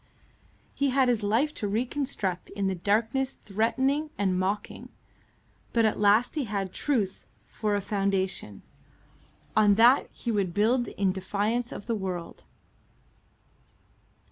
He had his life to reconstruct in the darkness threatening and mocking; but at last he had truth for a foundation; on that he would build in defiance of the world.